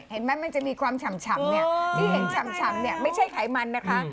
มันจะมีความฉ่ำเนี่ยที่เห็นฉ่ำเนี่ยไม่ใช่ไขมันนะคะ